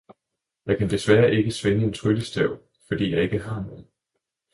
Jeg kan desværre ikke svinge en tryllestav, fordi jeg ikke har nogen.